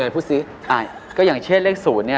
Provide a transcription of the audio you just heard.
อย่างเบาะกอบเลขสูมี๖๗๑๔